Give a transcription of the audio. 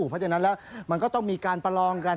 เพราะฉะนั้นแล้วมันก็ต้องมีการประลองกัน